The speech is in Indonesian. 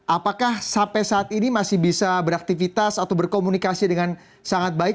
apakah sampai saat ini masih bisa beraktivitas atau berkomunikasi dengan sangat baik